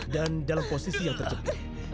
dan dalam posisi yang tercepat